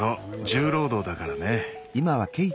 重労働だからね。